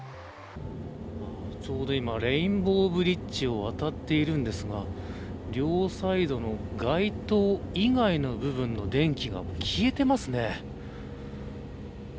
ちょうど今レインボーブリッジを渡っているんですが両サイドの街頭以外の部分電気が消えていますね。